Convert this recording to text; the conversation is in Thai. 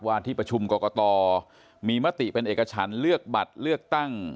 ที่ประชุมกรกตมีมติเป็นเอกฉันเลือกบัตรเลือกตั้ง